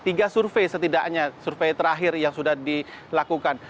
tiga survei setidaknya survei terakhir yang sudah dilakukan